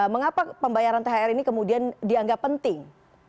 mengapa pembayaran thr ini kemudian dianggap penting